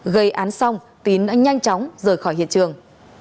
gây án xong tín đã nhanh chóng rời khỏi hiện trường